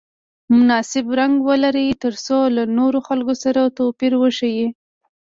مناسب رنګ ولري ترڅو له نورو خلکو سره توپیر وشي.